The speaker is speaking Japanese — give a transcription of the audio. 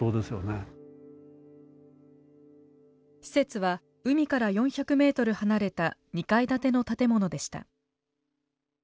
施設は海から４００メートル離れた２階建ての建物でした。